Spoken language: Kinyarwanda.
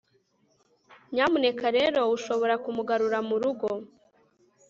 nyamuneka rero, ushobora kumugarura murugo